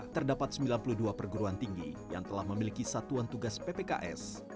terdapat sembilan puluh dua perguruan tinggi yang telah memiliki satuan tugas ppks